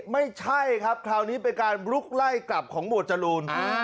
ไม่ใช่ครับคราวนี้เป็นการลุกไล่กลับของหมวดจรูน